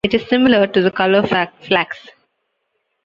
It is similar to the color Flax.